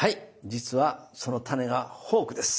実はそのタネがフォークです！